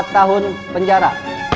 empat tahun penjara